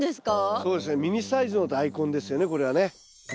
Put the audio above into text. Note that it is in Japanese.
そうですねミニサイズのダイコンですよねこれはね。